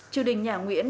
triều đình nhà nguyễn